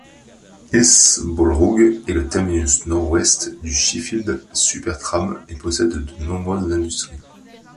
Hillsborough est le terminus Nord-Ouest du Sheffield Supertram et possède de nombreuses industries.